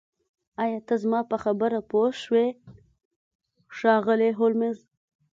ایا ته زما په خبره پوه شوې ښاغلی هولمز